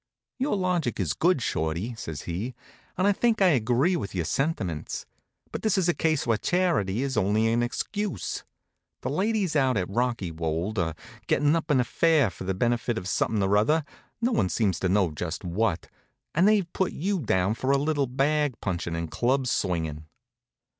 "Your logic is good, Shorty," says he, "and I think I agree with your sentiments. But this is a case where charity is only an excuse. The ladies out at Rockywold are getting up an affair for the benefit of something or other, no one seems to know just what, and they've put you down for a little bag punching and club swinging."